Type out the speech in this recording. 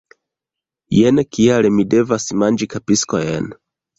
Jen kial mi devis manĝi kapsikojn.